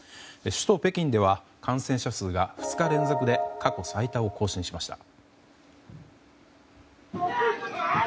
首都・北京では感染者数が２日連続で過去最多を更新しました。